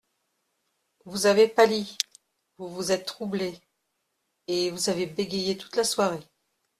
Vous avez pâli, vous vous êtes troublé… et vous avez bégayé toute la soirée.